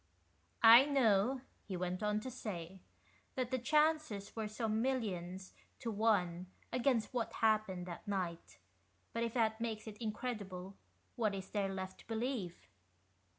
"I know," he went on to say, "that the chances were some millions to one against what happened that night, but if that makes it incredible, what is there left to believe